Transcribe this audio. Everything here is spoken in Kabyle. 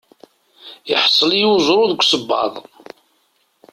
Iḥṣel-iyi uẓru deg usebbaḍ.